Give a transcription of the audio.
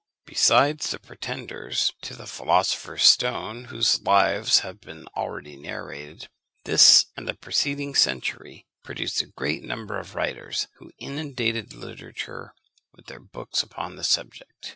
Besides the pretenders to the philosopher's stone whose lives have been already narrated, this and the preceding century produced a great number of writers, who inundated literature with their books upon the subject.